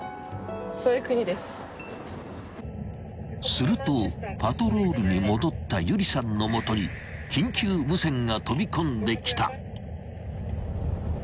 ［するとパトロールに戻った有理さんの元に緊急無線が飛び込んできた］